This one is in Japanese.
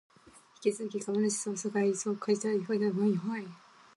引き続き株主総会会場におきまして、会社説明会を開催いたします